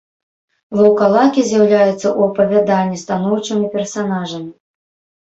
Ваўкалакі з'яўляюцца ў апавяданні станоўчымі персанажамі.